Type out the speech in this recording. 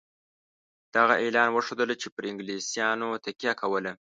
د هغه اعلان وښودله چې پر انګلیسیانو تکیه کوله.